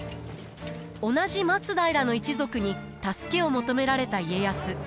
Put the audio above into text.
同じ松平の一族に助けを求められた家康。